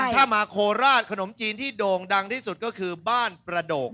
ถ้ามาโคราชขนมจีนที่โด่งดังที่สุดก็คือบ้านประโดก